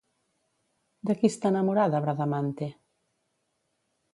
De qui està enamorada Bradamante?